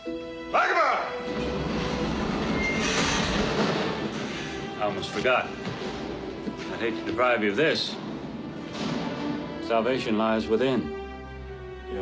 はい。